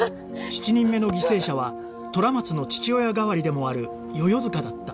７人目の犠牲者は虎松の父親代わりでもある世々塚だった